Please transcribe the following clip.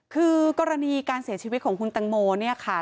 คือกรณีการเสียชีวิตของคุณตังโมเนี่ยค่ะ